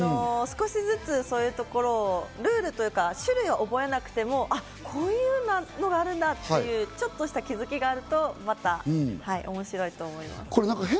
少しずつそういうところをルールというか種類は覚えなくても、こういうのがあるんだっていうちょっとした気づきがあるとまた面白いと思います。